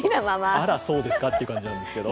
あら、そうですかという感じですけど。